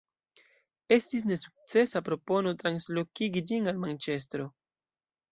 Estis nesukcesa propono translokigi ĝin al Manĉestro.